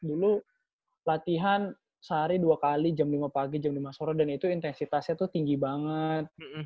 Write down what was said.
dulu latihan sehari dua kali jam lima pagi jam lima sore dan itu intensitasnya tuh tinggi banget